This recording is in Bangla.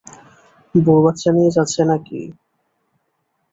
বউ বাচ্চা নিয়ে যাচ্ছে নাকি?